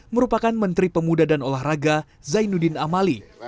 merupakan menteri pemuda dan olahraga zainuddin amali